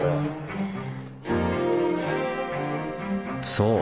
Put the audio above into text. そう！